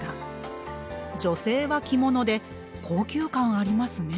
女性は着物で高級感ありますね。